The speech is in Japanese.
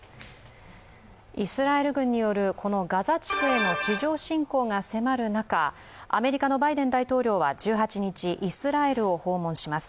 イスラエル軍によるガザ地区への地上侵攻が迫る中、アメリカのバイデン大統領は１８日、イスラエルを訪問します。